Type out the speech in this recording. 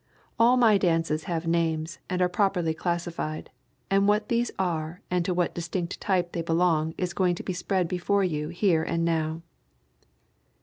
All my dances have names and are properly classified, and what these are and to what distinct type they belong is going to be spread before you here and now.